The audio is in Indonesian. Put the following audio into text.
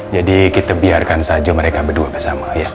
jadi kita biarkan saja mereka berdua bersama ya